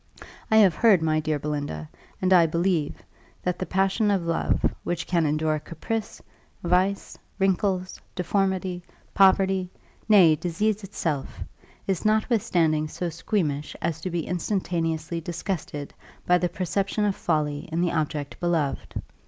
"I have heard, my dear Belinda, and I believe, that the passion of love, which can endure caprice, vice, wrinkles, deformity, poverty, nay, disease itself, is notwithstanding so squeamish as to be instantaneously disgusted by the perception of folly in the object beloved.